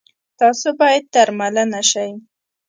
تاسو باید درملنه شی